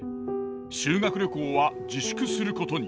修学旅行は自粛することに。